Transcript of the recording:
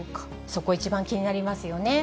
そこ、一番気になりますよね。